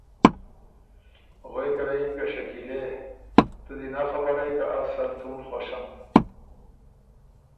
غوېکه له یِن که ”شکیلې! ـــ تُو دی نک خبر هې که از سن څُون خوشم۔